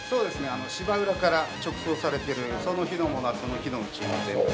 ◆芝浦から直送されているその日のものは、その日のうちに。